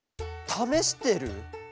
ためしてる？